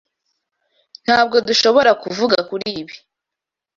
Ntabwo dushobora kuvuga kuri ibi?